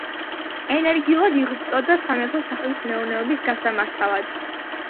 ენერგიულად იღვწოდა სამეფო სახლის მეურნეობის გასამართავად.